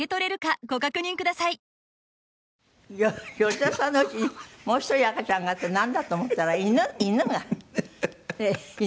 吉田さんの家にもう１人赤ちゃんがってなんだと思ったら犬？